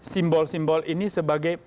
simbol simbol ini sebagai